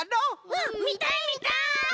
うんみたいみたい！